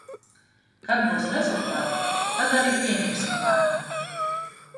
Kad būs rezultāti, tad arī pieņemsim lēmumu.